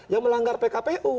yang melanggar pkpu